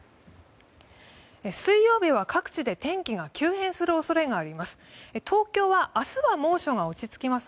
水曜日は各地で天気が急変する恐れがあります。